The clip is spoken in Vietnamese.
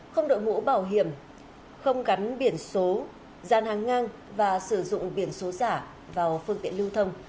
không đội mũ bảo hiểm không gắn biển số gian hàng ngang và sử dụng biển số giả vào phương tiện lưu thông